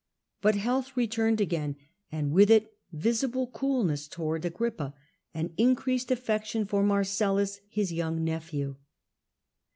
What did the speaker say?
But health returned again, and with it visible coolness towards Agrippa and increased affection for Marcellus, his young nephew.